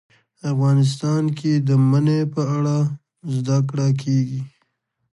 افغانستان کې د منی په اړه زده کړه کېږي.